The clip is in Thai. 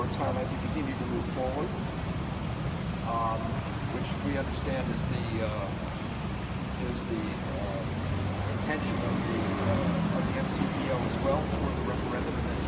ท่านลูกจะบอกว่าเกี่ยวกับเรื่องกันทางไทยเนี่ยก็เหมือนกัน